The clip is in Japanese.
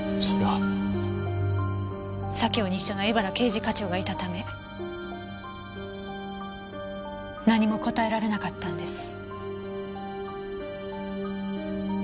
左京西署の江原刑事課長がいたため何も答えられなかったんです。